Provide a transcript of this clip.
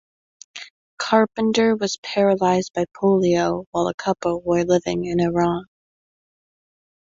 Carpenter was paralyzed by polio while the couple were living in Iran.